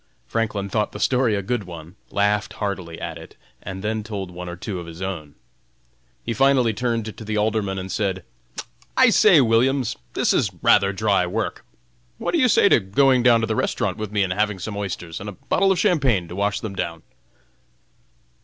Franklin thought the story a good one, laughed heartily at it, and then told one or two of his own. He finally turned to the Alderman, and said; "I say, Williams, this is rather dry work. What do you say to going down to the restaurant with me, and having some oysters and a bottle of champagne to wash them down?"